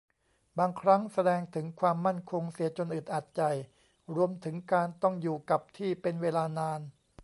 บางครั้งแสดงถึงความมั่นคงเสียจนอึดอัดใจ รวมถึงการต้องอยู่กับที่เป็นเวลานาน